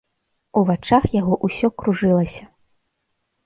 У вачах яго ўсё кружылася.